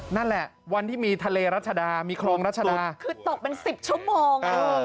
นั่นแหละวันที่มีทะเลรัชดามีคลองรัชดาคือตกเป็น๑๐ชั่วโมง